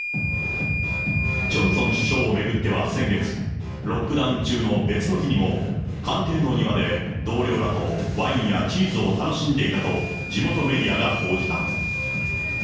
ジョンソン首相を巡っては、先月、ロックダウン中の別の日にも、官邸の庭で同僚らとワインやチーズを楽しんでいたと地元メディアが報じた。